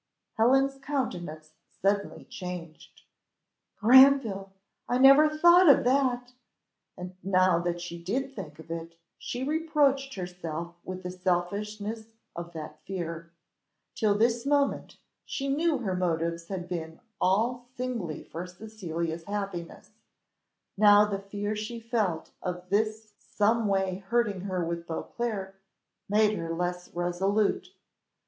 Helen's countenance suddenly changed "Granville! I never thought of that!" and now that she did think of it, she reproached herself with the selfishness of that fear. Till this moment, she knew her motives had been all singly for Cecilia's happiness; now the fear she felt of this some way hurting her with Beauclerc made her less resolute.